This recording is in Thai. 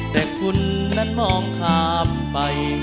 แต่คุณนั้นมองข้ามไป